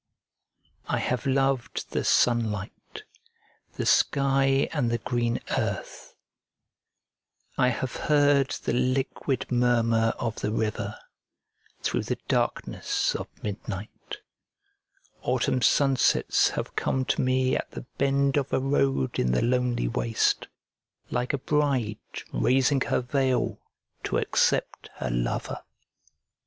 I have loved the sunlight, the sky and the green earth; I have heard the liquid murmur of the river through the darkness of midnight; Autumn sunsets have come to me at the bend of a road in the lonely waste, like a bride raising her veil to accept her lover.